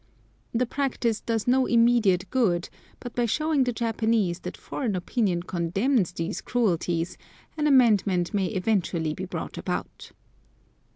The practice does no immediate good, but by showing the Japanese that foreign opinion condemns these cruelties an amendment may eventually be brought about.